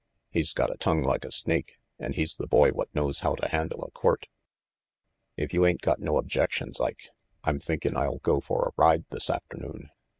He's got a tongue like a snake, and he's the boy what knows how to handle a quirt. If you ain't got no objections, Ike, I'm thinkin' I'll go for a ride this afternoon.